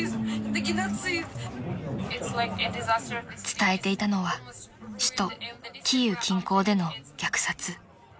［伝えていたのは首都キーウ近郊での虐殺］